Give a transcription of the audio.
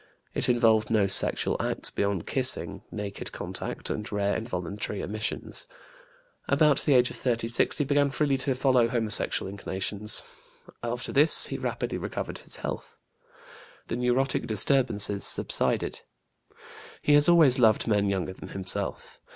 It involved no sexual acts beyond kissing, naked contact, and rare involuntary emissions. About the age of 36 he began freely to follow homosexual inclinations. After this he rapidly recovered his health. The neurotic disturbances subsided. He has always loved men younger than himself.